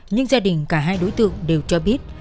nhưng gia đình cả hai đối tượng đều cho biết